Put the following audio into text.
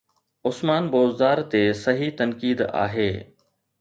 عثمان بوزدار تي صحيح تنقيد آهي.